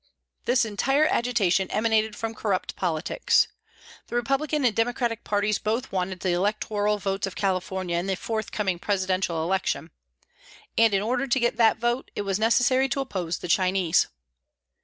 This entire agitation emanated from corrupt politics. The Republican and Democratic parties both wanted the electoral votes of California in the forthcoming Presidential election, and, in order to get that vote, it was necessary to oppose the Chinese.